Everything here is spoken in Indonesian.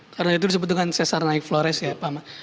karena itu disebutkan sesar naik flores ya pak ahmad